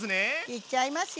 いっちゃいますよ！